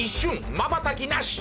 まばたきなし！